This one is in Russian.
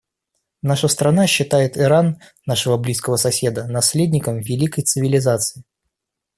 Наша страна считает Иран — нашего близкого соседа — наследником великой цивилизации.